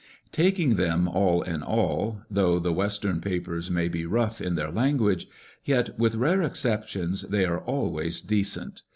Taking them all in all, though the western papers may be rough in their language, yet, with rare exceptions, they are always decent.